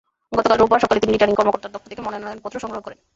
গতকাল রোববার সকালে তিনি রিটার্নিং কর্মকর্তার দপ্তর থেকে মনোনয়নপত্র সংগ্রহ করেন।